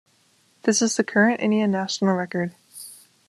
This is the current Indian national record.